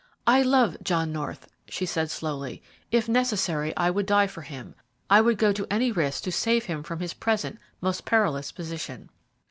"I love John North," she said slowly. "If necessary, I would die for him. I would go to any risk to save him from his present most perilous position."